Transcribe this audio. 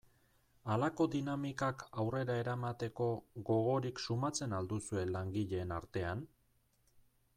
Halako dinamikak aurrera eramateko gogorik sumatzen al duzue langileen artean?